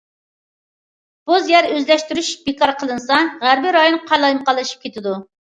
بوز يەر ئۆزلەشتۈرۈش بىكار قىلىنسا، غەربىي رايون قالايمىقانلىشىپ كېتىدۇ.